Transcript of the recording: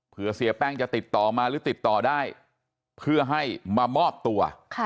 เพื่อเสียแป้งจะติดต่อมาหรือติดต่อได้เพื่อให้มามอบตัว